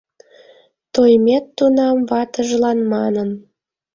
Тоймет тунам ватыжлан манын: